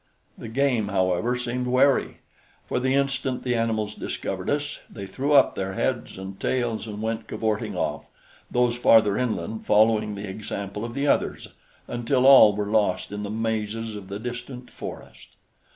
The game, however, seemed wary; for the instant the animals discovered us, they threw up their heads and tails and went cavorting off, those farther inland following the example of the others until all were lost in the mazes of the distant forest.